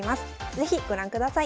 是非ご覧ください。